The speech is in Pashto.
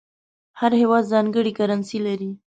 هر هېواد ځانګړې کرنسي لري.